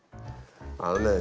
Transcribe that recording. あのね